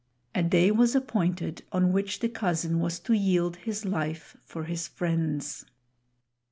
A day was appointed on which the cousin was to yield his life for his friend's.